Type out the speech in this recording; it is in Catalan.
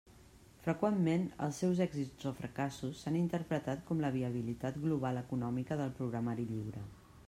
Freqüentment, els seus èxits o fracassos s'han interpretat com la viabilitat global econòmica del programari lliure.